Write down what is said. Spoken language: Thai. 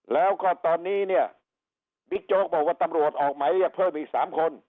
แล้วก็ตอนนี้เนี่ยบิ๊กโจ๊กบอกว่าตำรวจออกหมายเรียกเพิ่มอีก๓คน